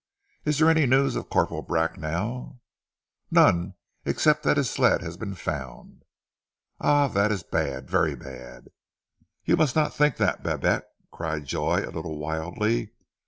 Is there any news of Corporal Bracknell?" "None, except that his sled has been found." "Ah! That is bad, very bad!" "You must not think that, Babette," cried Joy a little wildly.